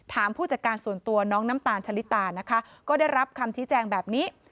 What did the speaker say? ผู้จัดการส่วนตัวน้องน้ำตาลชะลิตานะคะก็ได้รับคำชี้แจงแบบนี้